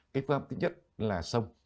cái pháp thứ nhất là sông